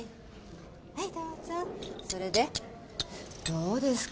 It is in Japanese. はいどうぞそれでどうですか？